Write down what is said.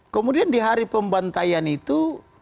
kemudian di hari pembantaian itu